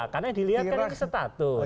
karena dilihat kan itu status